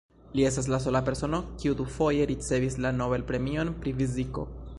Li estas la sola persono, kiu dufoje ricevis la Nobel-premion pri fiziko.